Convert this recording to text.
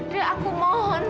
dek aku mohon dek tolong